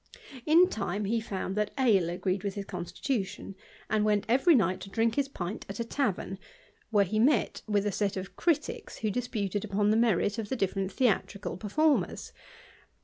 In time he found that ale agreed with his constituti and went every night to drink his pint at a tavern, where^ /, met with a set of critics, who disputed upon the merit: o\ the different theatrical performers.